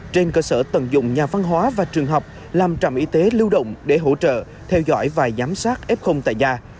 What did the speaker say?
trên cơ sở tận dụng nhà văn hóa và trường học làm trạm y tế lưu động để hỗ trợ theo dõi và giám sát f tại nhà